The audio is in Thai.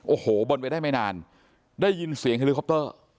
โอ้โหบนไว้ได้ไม่นานได้ยินเสียงเฮลิคอปเตอร์